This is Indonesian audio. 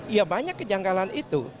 ya banyak kejanggalan itu